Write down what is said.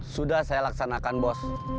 sudah saya laksanakan bos